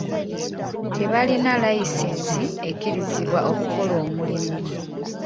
Tebalina layisinsi ekkirizibwa okukola omulimu.